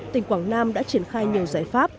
tỉnh quảng nam đã triển khai nhiều giải pháp